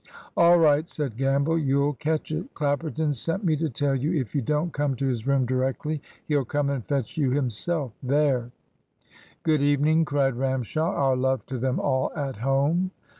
"All right," said Gamble; "you'll catch it. Clapperton sent me to tell you if you don't come to his room directly, he'll come and fetch you himself. There!" "Good evening," cried Ramshaw. "Our love to them all at home."